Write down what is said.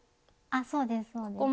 そうですそうです。